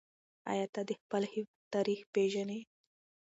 آیا ته د خپل هېواد تاریخ پېژنې؟